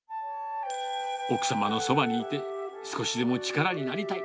奥様のそばにいて、少しでも力になりたい。